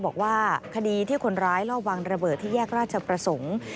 บอกว่าคดีที่คนร้ายลอบวางระเบิดที่แยกราชประสงค์